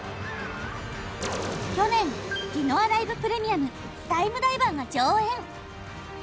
去年ディノアライブ・プレミアムタイムダイバーが上演